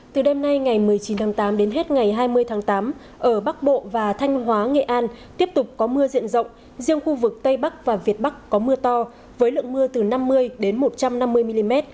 từ đêm nay ngày một mươi chín tháng tám đến hết ngày hai mươi tháng tám ở bắc bộ và thanh hóa nghệ an tiếp tục có mưa diện rộng riêng khu vực tây bắc và việt bắc có mưa to với lượng mưa từ năm mươi đến một trăm năm mươi mm